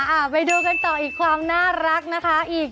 ไปดูกันต่ออีกความน่ารักนะคะอีก